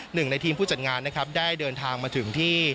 หนึ่งในทีมผู้จัดงานนะครับได้เดินทางมาถึงที่